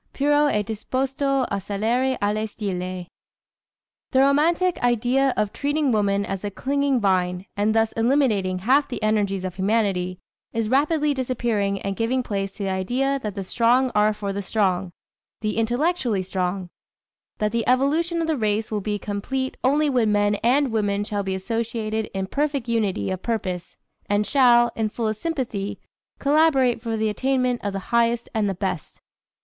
"Puro e disposto a salire alle stelle." The romantic idea of treating woman as a clinging vine, and thus eliminating half the energies of humanity, is rapidly disappearing and giving place to the idea that the strong are for the strong the intellectually strong; that the evolution of the race will be complete only when men and women shall be associated in perfect unity of purpose, and shall, in fullest sympathy, collaborate for the attainment of the highest and the best.